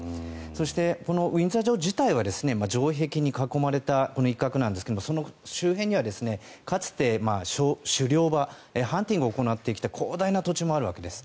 そして、ウィンザー城自体は城壁に囲まれた一角なんですがその周辺にはかつて、狩猟場ハンティングを行ってきた広大な土地もあるわけです。